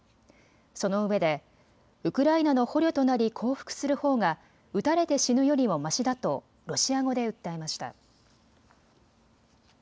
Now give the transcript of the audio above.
そのうえでウクライナの捕虜となり降伏するほうが撃たれて死ぬよりもましだとロシア語で訴えました。